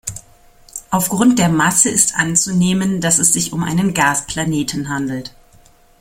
Aufgrund der Masse ist anzunehmen, dass es sich um einen Gasplaneten handelt.